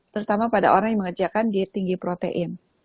terutama pada orang yang mengerjakan diet tinggi protein